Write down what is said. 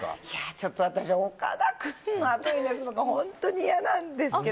ちょっと私岡田君の後に出すのがホントに嫌なんですけど。